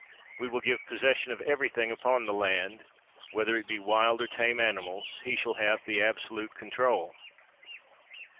We will give possession of everything upon the land, whether it be wild or tame animals ; he shall have the absolute con trol.